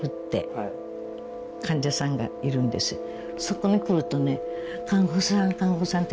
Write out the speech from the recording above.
そこに来るとね。